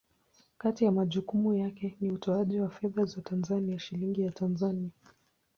Kati ya majukumu yake ni utoaji wa fedha za Tanzania, Shilingi ya Tanzania.